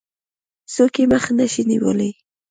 څوک يې مخه نه شي نيولای.